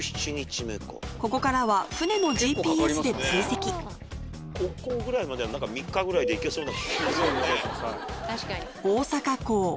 ここからは船のＧＰＳで追跡ここぐらいまでは何か３日ぐらいで行けそうな。